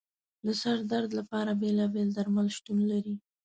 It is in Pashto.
د سر درد لپاره بېلابېل درمل شتون لري.